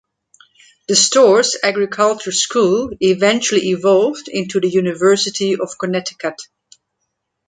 The Storrs Agricultural School eventually evolved into the University of Connecticut.